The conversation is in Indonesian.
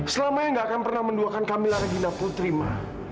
selama ini nggak akan pernah menduakan kamila regina putri ma